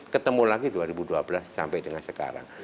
ketemu lagi dua ribu dua belas sampai dengan sekarang